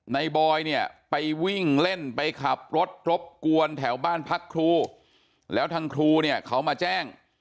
บอยเนี่ยไปวิ่งเล่นไปขับรถรบกวนแถวบ้านพักครูแล้วทางครูเนี่ยเขามาแจ้ง